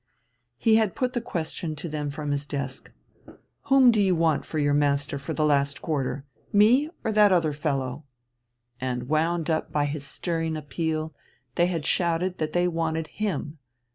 He had put the question to them from his desk Whom do you want for your master for the last quarter, me or that other fellow? And, wound up by his stirring appeal, they had shouted that they wanted him.